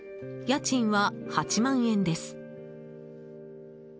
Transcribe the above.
家賃は８万円です。